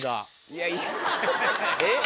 いやいやえっ？